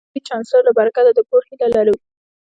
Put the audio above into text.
موږ د نوي چانسلر له برکته د کور هیله لرو